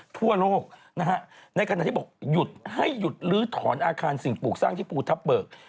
ทั่วโลกนะฮะในขณะที่บอกหยุดให้หยุดลื้อถอนอาคารสิ่งปลูกสร้างที่ภูทับเบิก